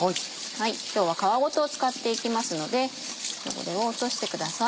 今日は皮ごと使っていきますので汚れを落としてください。